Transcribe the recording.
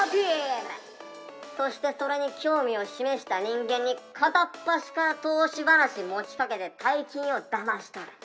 そしてそれに興味を示した人間に片っ端から投資話持ちかけて大金を騙し取る！